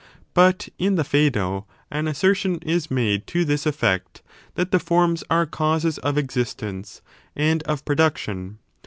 But in the Phsedo an assertion is made to this effect, — that the forms are causes of existence and of production.